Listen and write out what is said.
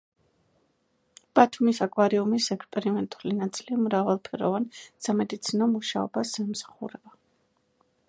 ბათუმის აკვარიუმის ექსპერიმენტული ნაწილი მრავალფეროვან სამეცნიერო მუშობას ემსახურება.